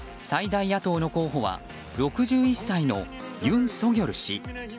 最大野党の候補は６１歳のユン・ソギョル氏。